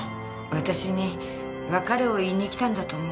私に別れを言いに来たんだと思う。